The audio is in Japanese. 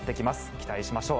期待しましょう。